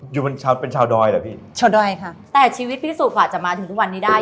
อยู่เป็นชาวเป็นชาวดอยเหรอพี่ชาวดอยค่ะแต่ชีวิตพี่สุอาจจะมาถึงทุกวันนี้ได้